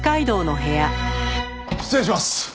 失礼します！